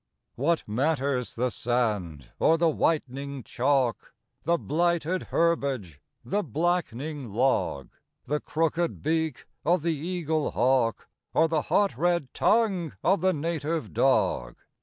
What matters the sand or the whitening chalk, The blighted herbage, the black'ning log, The crooked beak of the eagle hawk, Or the hot red tongue of the native dog?